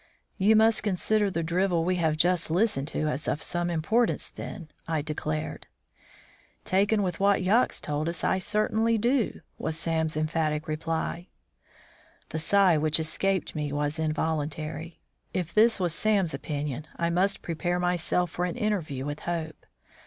"You must consider the drivel we have just listened to as of some importance, then," I declared. "Taken with what Yox told us, I certainly do," was Sam's emphatic reply. The sigh which escaped me was involuntary. If this was Sam's opinion, I must prepare myself for an interview with Hope.